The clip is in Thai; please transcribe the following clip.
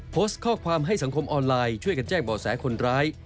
พอสค่อความให้สังคมออนไลน์ช่วยกันแจกบ่แลศคนร้าย